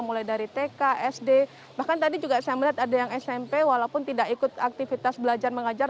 mulai dari tk sd bahkan tadi juga saya melihat ada yang smp walaupun tidak ikut aktivitas belajar mengajar